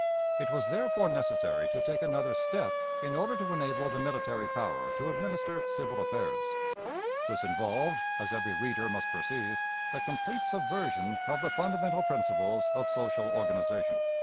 It was therefore necessary to take another step in order to enable the military power to administer civil affairs. This involved, as every reader must perceive, a complete subversion of the fundamental principles of social organization.